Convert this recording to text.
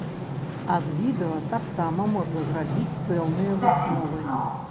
А з відэа таксама можна зрабіць пэўныя высновы.